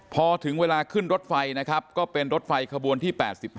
พอถึงเวลาขึ้นรถไฟนะครับก็เป็นรถไฟขบวนที่๘๕